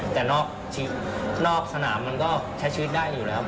แต่นอกสนามมันก็ใช้ชีวิตได้อยู่แล้ว